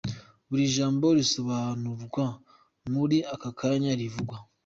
Buri jambo risobanurwa muri ako kanya rivugwa.